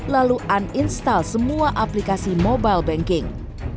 lalu uninstall semua aplikasi mobile banking